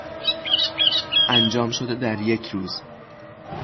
انجام شده در یک روز